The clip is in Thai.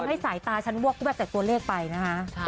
ทำให้สายตาชั้นววกแบบแต่ตัวเลขไปนะคะ